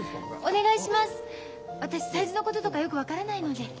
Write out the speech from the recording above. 私サイズのこととかよく分からないので。